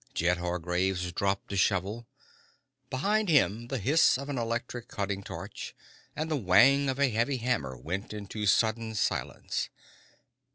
Jed Hargraves dropped the shovel. Behind him the hiss of an electric cutting torch and the whang of a heavy hammer went into sudden silence.